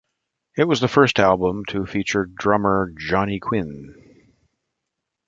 It was the first album to feature drummer Jonny Quinn.